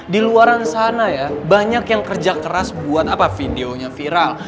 di luaran sana ya banyak yang kerja keras buat apa videonya viral